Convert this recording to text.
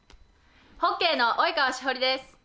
ホッケーの及川栞です。